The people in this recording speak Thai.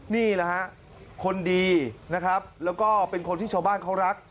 นี่แหละฮะคนดีนะครับแล้วก็เป็นคนที่ชาวบ้านเขารัก